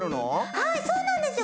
はいそうなんですよ。